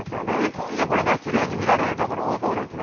今夜きれいに見られるところ多そうですね。